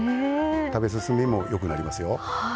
食べ進めもよくなりますよ。